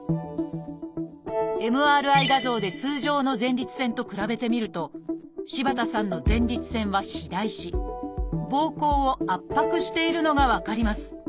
ＭＲＩ画像で通常の前立腺と比べてみると柴田さんの前立腺は肥大しぼうこうを圧迫しているのが分かります。